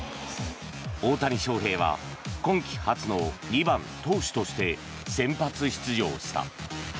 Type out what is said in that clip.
大谷翔平は今季初の２番投手として先発出場した。